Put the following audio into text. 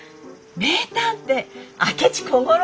名探偵明智小五郎ね！